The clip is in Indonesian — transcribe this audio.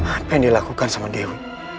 apa yang dilakukan sama dewi